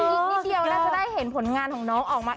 อีกนิดเดียวน่าจะได้เห็นผลงานของน้องออกมา